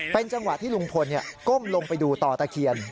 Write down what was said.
เป็นจังหวะที่ลุงพลก้มลงไปดูต่อตะเคียน